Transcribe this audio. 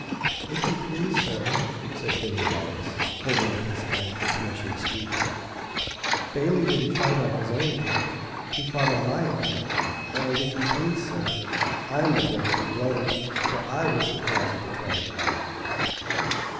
"If you please, sir," said Binny Wallace, holding up his hand for permission to speak, "Bailey didn't fight on his own account; he fought on my account, and, if you please, sir, I am the boy to be blamed, for I was the cause of the trouble."